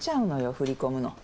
振り込むの。